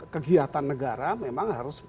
kegiatan negara memang harus